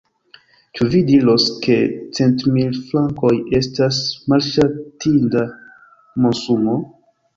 Ĉu vi diros, ke centmil frankoj estas malŝatinda monsumo?